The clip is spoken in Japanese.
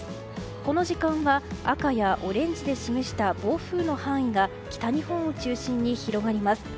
この時間は赤やオレンジで示した暴風の範囲が北日本を中心に広がります。